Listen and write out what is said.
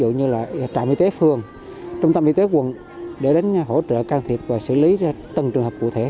ví dụ như là trạm y tế phường trung tâm y tế quận để đến hỗ trợ can thiệp và xử lý ra từng trường hợp cụ thể